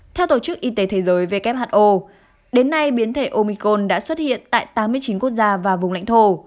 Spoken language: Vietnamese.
theo tổ chức y tế thế giới who đến nay biến thể omicol đã xuất hiện tại tám mươi chín quốc gia và vùng lãnh thổ